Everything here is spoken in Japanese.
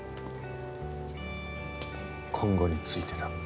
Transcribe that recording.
今後についてだ。